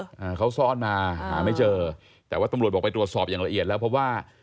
อ่าเขาซ่อนมาหาไม่เจอแต่ว่าตำรวจบอกไปตรวจสอบอย่างละเอียดแล้วเพราะว่า